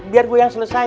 biar gue yang selesain